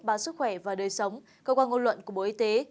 báo sức khỏe và đời sống cơ quan ngôn luận của bộ y tế